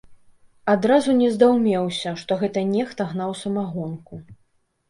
Адразу не здаўмеўся, што гэта нехта гнаў самагонку.